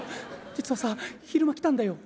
実はさ昼間来たんだよ」。